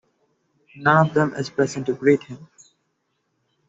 None of them is present to greet him.